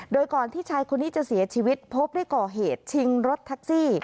โดยก่อนที่ชายคนนี้จะเสียชีวิตพบได้ก่อเหตุชิงรถแท็กซี่